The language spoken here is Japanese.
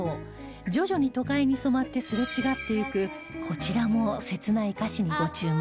徐々に都会に染まってすれ違ってゆくこちらも切ない歌詞にご注目